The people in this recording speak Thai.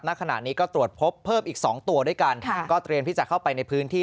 ณขณะนี้ก็ตรวจพบเพิ่มอีกสองตัวด้วยกันค่ะก็เตรียมที่จะเข้าไปในพื้นที่